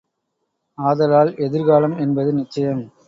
ஆதலால் எதிர்காலம் என்பது நிச்சயம்!